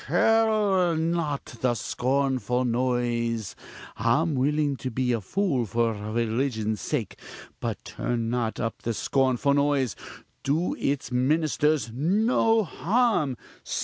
curl not the scornful nose I'm willing to be a fool for religion's sake but turn not up the scornful nose do its ministers no harm!